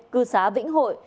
cư xá vĩnh hội